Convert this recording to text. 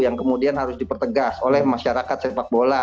yang kemudian harus dipertegas oleh masyarakat sepak bola